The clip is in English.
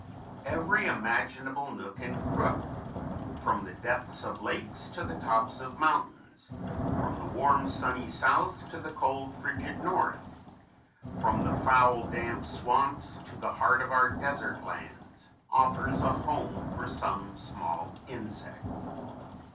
Every imaginable nook and crook, from the depths of lakes to the tops of mountains, from the warm, sunny south to the cold frigid north, from the foul damp swamps to the heart of our desert lands, offers a home for some small insect.